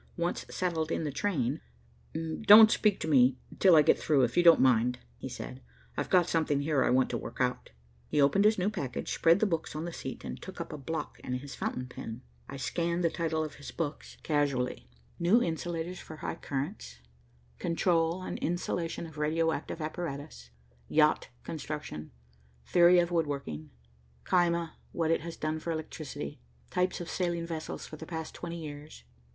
Once settled in the train, "Don't speak to me till I get through, if you don't mind," he said, "I've got something here I want to work out." He opened his new package, spread the books on the seat, and took up a block and his fountain pen. I scanned the titles of his books casually. "New Insulators for High Currents," "Control and Insulation of Radio active Apparatus," "Yacht Construction," "Theory of Wood Working," "Caema, What It Has Done for Electricity," "Types of Sailing Vessels for the Past Twenty Years."